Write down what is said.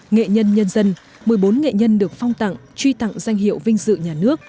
nghệ nhân nhân dân một mươi bốn nghệ nhân được phong tặng truy tặng danh hiệu vinh dự nhà nước